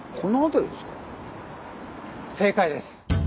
正解です。